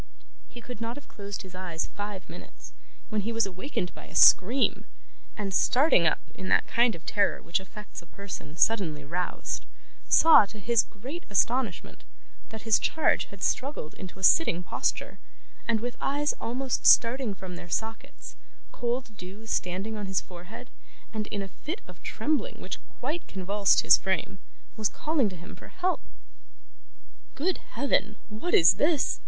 He could not have closed his eyes five minutes, when he was awakened by a scream, and starting up in that kind of terror which affects a person suddenly roused, saw, to his great astonishment, that his charge had struggled into a sitting posture, and with eyes almost starting from their sockets, cold dew standing on his forehead, and in a fit of trembling which quite convulsed his frame, was calling to him for help. 'Good Heaven, what is this?